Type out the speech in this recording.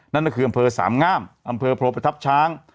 นั่นก็คืออำเภอสามงามอำเภอโพประทับช้าง